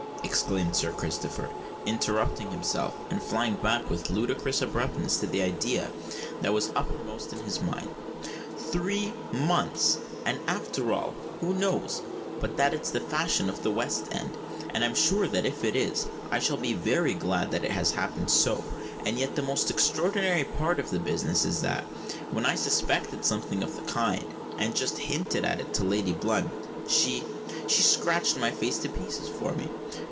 exclaimed Sir Christopher, interrupting himself, and flying back with ludicrous abruptness to the idea that was uppermost in his mind; "three months! And, after all, who knows but that it's the fashion at the West End; and I'm sure that if it is, I shall be very glad that it has happened so. And yet the most extraordinary part of the business is that—when I suspected something of the kind, and just hinted at it to Lady Blunt—she—she scratched my face to pieces for me.